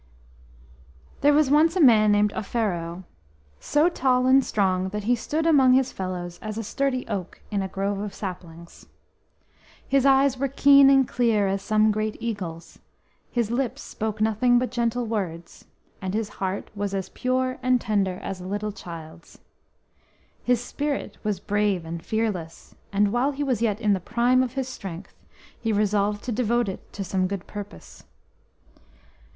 HERE was once a man named Offero, so tall and strong that he stood among his fellows as a sturdy oak in a grove of saplings. His eyes were keen and clear as some great eagle's, his lips spoke nothing but gentle words, and his heart was as pure and tender as a little child's. His spirit was brave and fearless, and while he was yet in the prime of his strength he resolved to devote it to some good purpose.